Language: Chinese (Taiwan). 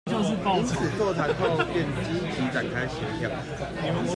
因此座談後便積極展開協調